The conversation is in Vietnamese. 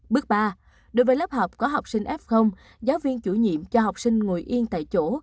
bước ba đối với lớp học có học sinh f giáo viên chủ nhiệm cho học sinh ngồi yên tại chỗ